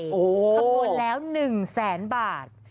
คำนวณแล้ว๑๐๐๐๐๐บาท